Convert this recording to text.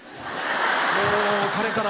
もう彼から。